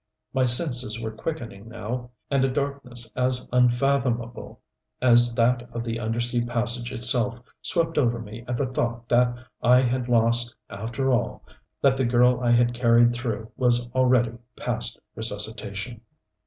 My senses were quickening now, and a darkness as unfathomable as that of the undersea passage itself swept over me at the thought that I had lost, after all that the girl I had carried through was already past resuscitation.